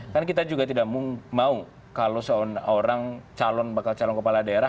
karena kita juga tidak mau kalau seorang orang calon bakal calon kepala daerah